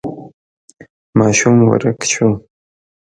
ماشوم ورک شو.